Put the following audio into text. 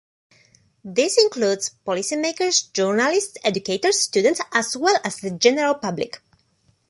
This includes policymakers, journalists, educators, students as well as the general public.